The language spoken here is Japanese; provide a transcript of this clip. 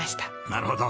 なるほど。